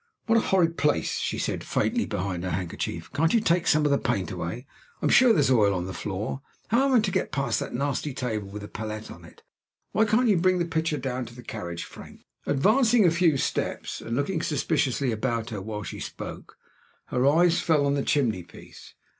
"What a horrid place!" she said faintly behind her handkerchief. "Can't you take some of the paint away? I'm sure there's oil on the floor. How am I to get past that nasty table with the palette on it? Why can't you bring the picture down to the carriage, Frank?" Advancing a few steps, and looking suspiciously about her while she spoke, her eyes fell on the chimney piece.